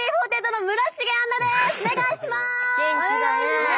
お願いしまーす！